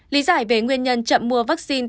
lý giải về nguyên nhân chậm mua vaccine